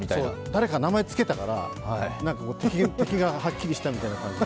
誰か名前つけたから敵がはっきりしたみたいな。